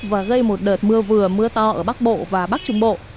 và gây một đợt mưa vừa mưa to ở bắc bộ và bắc trung bộ